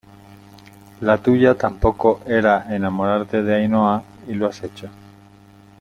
la tuya tampoco era enamorarte de Ainhoa y lo has hecho.